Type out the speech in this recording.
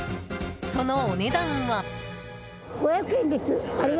そのお値段は。